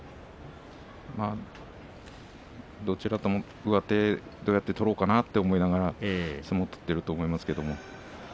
どちらとも上手をどうやって取ろうかなと思いながら相撲取っていると思いますけれど。